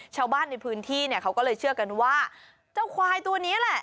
ชาวบ้านในพื้นที่เนี่ยเขาก็เลยเชื่อกันว่าเจ้าควายตัวนี้แหละ